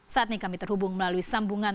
saat ini kami terhubung melalui sambungan